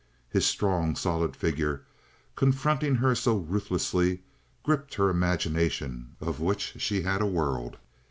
His strong, solid figure, confronting her so ruthlessly, gripped her imagination, of which she had a world.